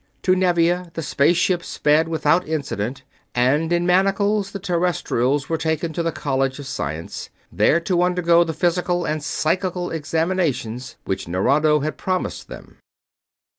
To Nevia the space ship sped without incident, and in manacles the Terrestrials were taken to the College of Science, there to undergo the physical and psychical examinations which Nerado had promised them.